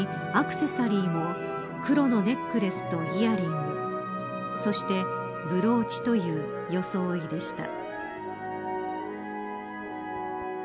さらにアクセサリーも黒のネックレスとイヤリングそしてブローチという装いでした。